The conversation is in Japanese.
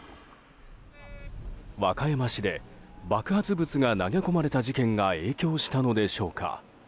和歌山市で爆発物が投げ込まれた事件が影響したのでしょうか